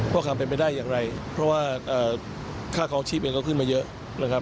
ความเป็นไปได้อย่างไรเพราะว่าค่าคลองชีพเองก็ขึ้นมาเยอะนะครับ